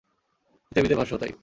কিতাবীদের ভাষ্যও তাই।